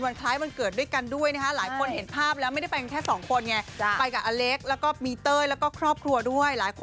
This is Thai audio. ว่าเฮล็กและเต่ยก็บีตื่นและเพิ่มพร่อมครอบครัวดี่